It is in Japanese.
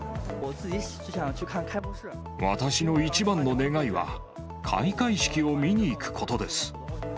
私の一番の願いは、開会式を見に行くことです。